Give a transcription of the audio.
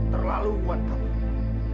terlalu kuat dahlia